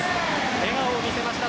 笑顔を見せました